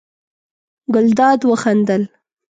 ګلداد وخندل.